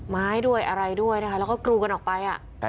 ด้วยอะไรด้วยนะคะแล้วก็กรูกันออกไป